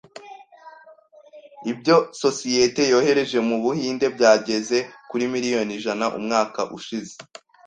Ibyo sosiyete yohereje mu Buhinde byageze kuri miliyoni ijana umwaka ushize.